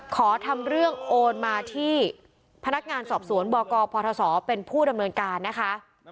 ขอทำเรื่องโอนมาที่พนักงานสอบสวนบกพศเป็นผู้ดำเนินการนะคะ